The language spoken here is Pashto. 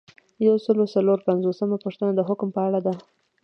یو سل او څلور پنځوسمه پوښتنه د حکم په اړه ده.